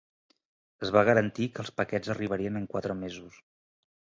Es va garantir que els paquets arribarien en quatre mesos.